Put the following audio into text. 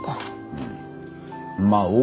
うん。